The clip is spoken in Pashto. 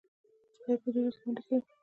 سپي په دوبي کې منډې کوي.